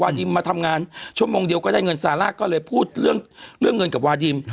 ดิมมาทำงานชั่วโมงเดียวก็ได้เงินซาร่าก็เลยพูดเรื่องเงินกับวาดิม